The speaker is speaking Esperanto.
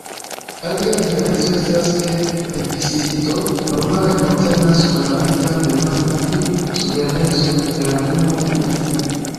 Alia diferenco estas, ke plebiscito normale koncernas fundamentan demandon pri suvereneco, referendumo ne nepre.